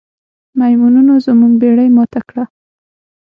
میمونونو زموږ بیړۍ ماته کړه.